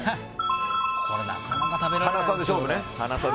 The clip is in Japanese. これはなかなか食べられないですもんね。